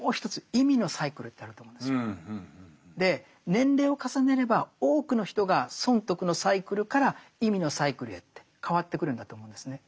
年齢を重ねれば多くの人が損得のサイクルから意味のサイクルへって変わってくるんだと思うんですね。